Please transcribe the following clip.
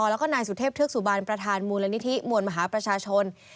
และนายสุทธิพย์เทศสุบัญประธานมูลนิธิมวลมหาประชาชน